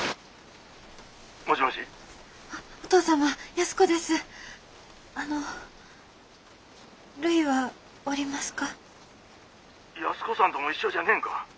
☎安子さんとも一緒じゃねえんか！